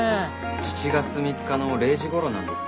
７月３日の０時頃なんですけど。